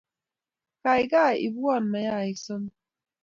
Kaikai ipwon mayaik somok